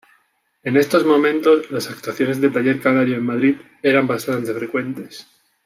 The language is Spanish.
En estos momentos las actuaciones de Taller Canario en Madrid eran bastante frecuentes.